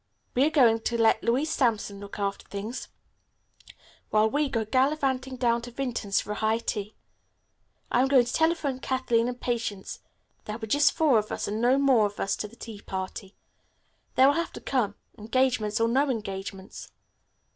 We are going to let Louise Sampson look after things while we go gallivanting down to Vinton's for a high tea. I'm going to telephone Kathleen and Patience. There will be just four of us, and no more of us to the tea party. They will have to come, engagements or no engagements."